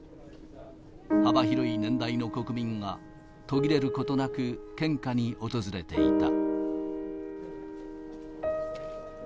幅広い年代の国民が、途切れることなく、献花に訪れていた。